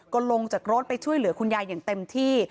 ก็ลงจากรถไปช่วยเหลือคุณยายอย่างเต็มที่